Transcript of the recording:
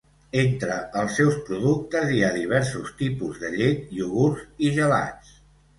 Entre els seus productes hi ha diversos tipus de llet, iogurts, i gelats.